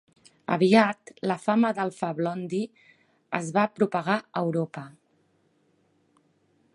Aviat, la fama d'Alpha Blondy es va propagar a Europa.